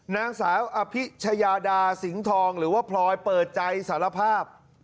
นางสาวอภิชยาดาสิงห์ทองหรือว่าพลอยเปิดใจสารภาพ